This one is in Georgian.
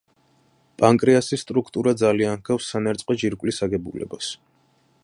პანკრეასის სტრუქტურა ძალიან ჰგავს სანერწყვე ჯირკვლის აგებულებას.